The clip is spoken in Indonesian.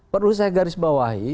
perlu saya garis bawahi